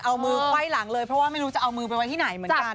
เอามือไขว้หลังเลยเพราะว่าไม่รู้จะเอามือไปไว้ที่ไหนเหมือนกัน